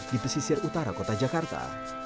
di pesisir utara kota jakarta